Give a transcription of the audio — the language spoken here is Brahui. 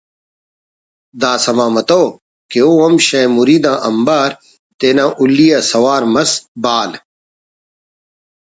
دا سما متو کہ او ہم شہ مرید آنبار تینا ہلی آ سوار مس بال